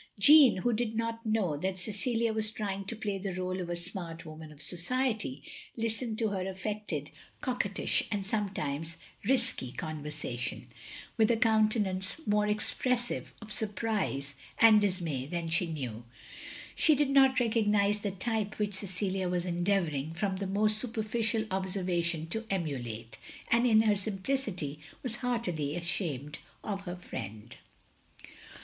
Jeanne, who did not know that Cecilia was trying to play the r61e of a smart woman of society, listened to her affected, coquettish, and sometimes risquie conversation, with a countenance more expressive of surprise and dismay than she knew. She did not recognise the type which Cecilia was endeavouring, from the most superficial observa tion, to emulate; and in her simplicity, was heartily ashamed of her friend.